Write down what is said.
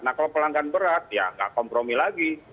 nah kalau pelanggaran berat ya tidak kompromi lagi